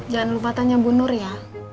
jangan lupa tanya bu nur ya